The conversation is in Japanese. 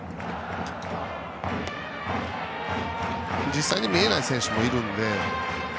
実際に見えない選手もいるので。